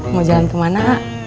mau jalan kemana